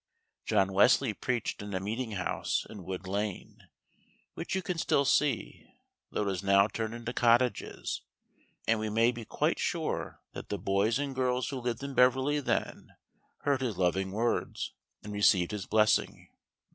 John Wesley preached in a meeting house in Wood Lane, which you can still see, though it is now turned into cottages; and we may be quite sure that the boys and girls who lived in Beverley then, heard his loving words, and received his blessing.